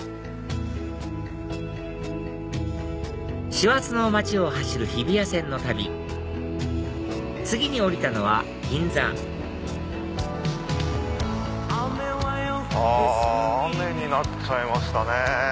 師走の街を走る日比谷線の旅次に降りたのは銀座あ雨になっちゃいましたね。